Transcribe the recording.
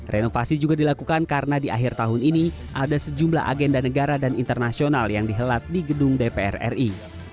renovasi juga dilakukan karena di akhir tahun ini ada sejumlah agenda negara dan internasional yang dihelat di gedung dpr ri